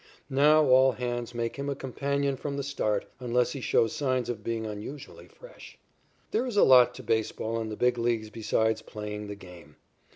Now all hands make him a companion from the start, unless he shows signs of being unusually fresh. There is a lot to baseball in the Big Leagues besides playing the game.